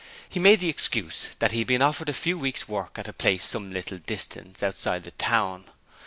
He made the excuse that he had been offered a few weeks' work at a place some little distance outside the town.